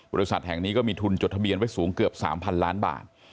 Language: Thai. บริษัทแห่งนี้ก็มีทุนจดทะเบียนไว้สูงเกือบ๓๐๐ล้านบาท